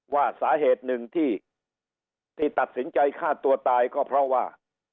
ว่าสาเหตุหนึ่งที่ตัดสินใจฆ่าตัวตายก็เพราะว่า